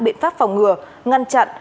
biện pháp phòng ngừa ngăn chặn